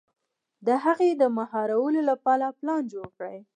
د هغې د مهارولو لپاره پلان جوړ کړي.